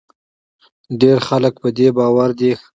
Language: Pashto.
ډیری خلک په دې باور دي چې